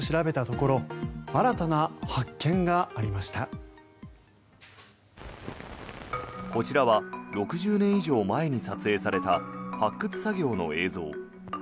こちらは６０年以上前に撮影された発掘作業の映像。